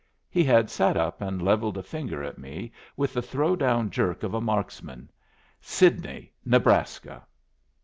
He had sat up and levelled a finger at me with the throw down jerk of a marksman. "Sidney, Nebraska."